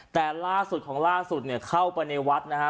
แต่ล่าสุดของล่าสุดเนี่ยเข้าไปในวัดนะฮะ